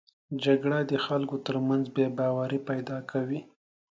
جګړه د خلکو تر منځ بې باوري پیدا کوي